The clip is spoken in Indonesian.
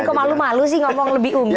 kok malu malu sih ngomong lebih unggul